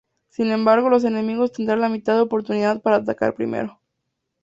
Sin embargo, los enemigos tendrán la mitad de oportunidad para atacar primero.